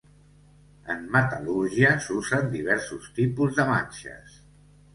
En metal·lúrgia s'usen diversos tipus de manxes.